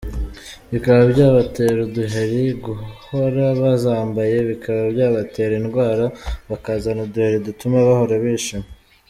bikaba byabatera uduheri, guhora bazambaye bikaba byabatera indwara, bakazana uduheri dutuma bahora bishima.